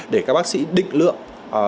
để các bác sĩ định lượng